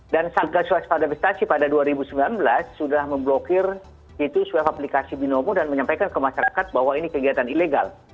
dan satgas waspada investasi pada dua ribu sembilan belas sudah memblokir itu suai aplikasi binomo dan menyampaikan ke masyarakat bahwa ini kegiatan ilegal